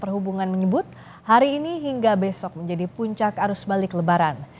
perhubungan menyebut hari ini hingga besok menjadi puncak arus balik lebaran